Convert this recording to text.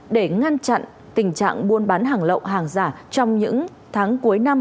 để ngăn chặn tình trạng buôn bán hàng lậu hàng giả trong những tháng cuối năm